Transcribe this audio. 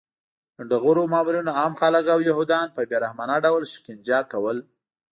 لنډغرو مامورینو عام خلک او یهودان په بې رحمانه ډول شکنجه کول